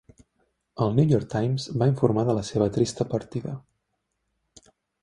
El 'New York Times' va informar de la seva trista partida.